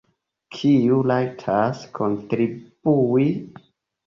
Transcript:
Kiu rajtas kontribui?